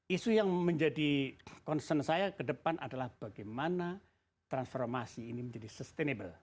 isu yang menjadi concern saya ke depan adalah bagaimana transformasi ini menjadi sustainable